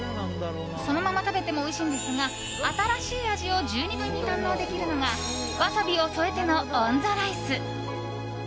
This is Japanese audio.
そのまま食べてもおいしいのですが新しい味を十二分に堪能できるのがワサビを添えてのオン・ザ・ライス。